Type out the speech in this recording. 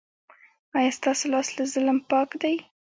ایا ستاسو لاس له ظلم پاک دی؟